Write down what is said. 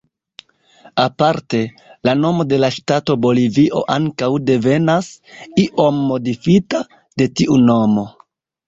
Aparte, la nomo de la ŝtato Bolivio ankaŭ devenas, iom modifita, de tiu nomo.